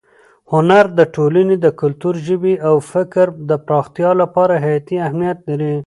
هنر د ټولنې د کلتور، ژبې او فکر د پراختیا لپاره حیاتي اهمیت لري.